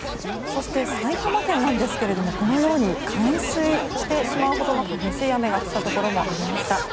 そして埼玉県なんですがこのように冠水してしまうほどの激しい雨が降ったところもありました。